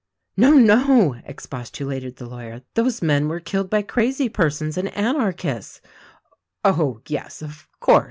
"No, no!" expostulated the lawyer, "those men were killed by crazy persons and anarchists." "Oh, yes, of course!